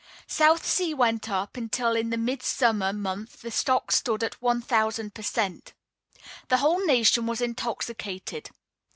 South Sea went up, until in the midsummer month the stock stood at one thousand per cent. The whole nation was intoxicated.